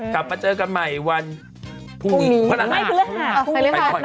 กลับมาเจอกันใหม่วันพรุ่งนี้